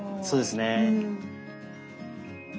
そうですね。